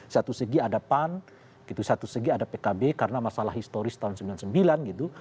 satu segi ada pan gitu satu segi ada pkb karena masalah historis tahun sembilan puluh sembilan gitu